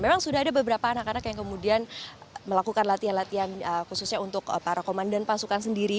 memang sudah ada beberapa anak anak yang kemudian melakukan latihan latihan khususnya untuk para komandan pasukan sendiri